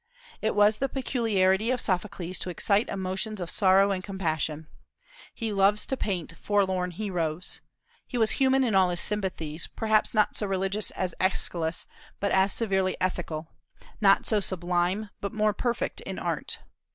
It was the peculiarity of Sophocles to excite emotions of sorrow and compassion. He loved to paint forlorn heroes. He was human in all his sympathies, perhaps not so religious as Aeschylus, but as severely ethical; not so sublime, but more perfect in art.